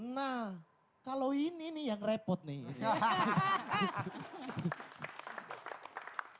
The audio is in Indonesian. nah kalau ini nih yang repot nih